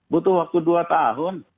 butuh waktu dua tahun